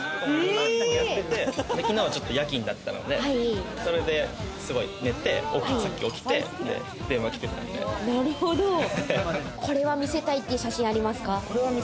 きのうは夜勤だったのでそれですごい寝て、さっき起きて、電話きてたんで、これは見せたいという写真ありますか？